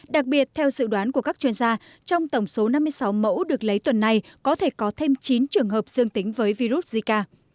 đặc biệt theo dự đoán của các chuyên gia trong tổng số năm mươi sáu mẫu được lấy tuần này có thể có thêm chín trường hợp dương tính với virus zika